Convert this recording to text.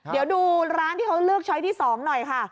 เดี๋ยวดูร้านที่เขาเลือกช้อยที่๒หน่อยค่ะ